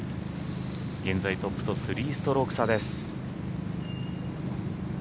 現在トップと３ストローク差です。